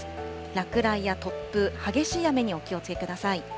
落雷や突風、激しい雨にお気をつけください。